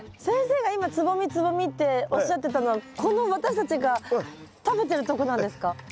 先生が今蕾蕾っておっしゃってたのはこの私たちが食べてるとこなんですか？